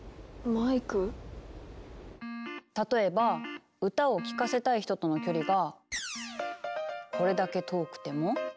例えば歌を聞かせたい人との距離がこれだけ遠くても。